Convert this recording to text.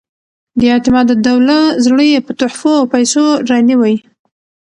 د اعتمادالدولة زړه یې په تحفو او پیسو رانیوی.